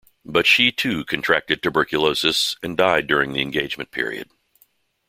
But she, too, contracted tuberculosis, and died during the engagement period.